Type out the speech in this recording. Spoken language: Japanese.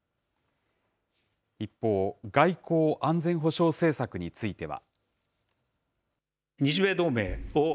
一方、外交・安全保障政策については。